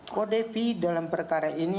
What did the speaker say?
kodepi dalam perkara ini